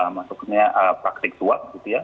maksudnya praktik suap gitu ya